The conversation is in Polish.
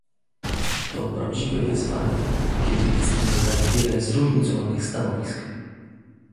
To prawdziwe wyzwanie, kiedy istnieje tak wiele zróżnicowanych stanowisk